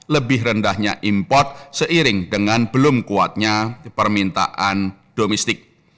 lebih rendahnya import seiring dengan belum kuatnya permintaan domestik